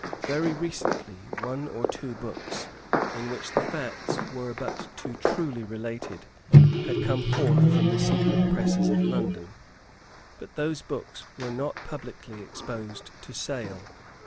Very recently, one or two books, in which the facts were but too truly related, had come forth from the secret presses of London. But those books were not publicly exposed to sale.